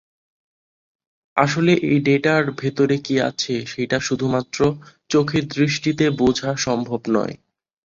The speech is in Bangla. আসলে এই ডেটার ভেতরে কি আছে সেটা শুধুমাত্র চোখের দৃষ্টিতে বোঝা সম্ভব নয়।